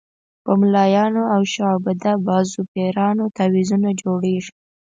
په ملایانو او شعبده بازو پیرانو تعویضونه جوړېږي.